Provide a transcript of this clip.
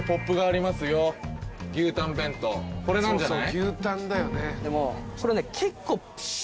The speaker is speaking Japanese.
これなんじゃない？